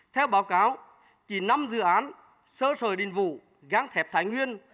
theo báo cáo chỉ năm dự án sơ sời đình vụ gáng thẹp thái nguyên